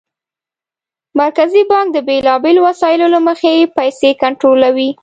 مرکزي بانک د بېلابېلو وسایلو له مخې پیسې کنټرولوي.